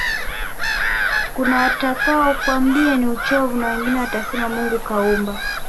kunawatakao kwambia ni uchovu na wengine watasema mungu kauumba